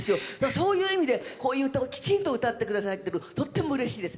そういう意味で、こういう歌をきちっと歌ってくださってとってもうれしいです。